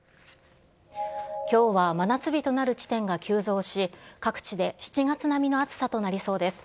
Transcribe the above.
きょうは真夏日となる地点が急増し、各地で７月並みの暑さとなりそうです。